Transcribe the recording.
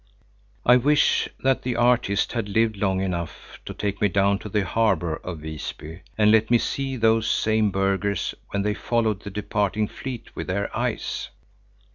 I wish that the artist had lived long enough to take me down to the harbor of Visby and let me see those same burghers, when they followed the departing fleet with their eyes.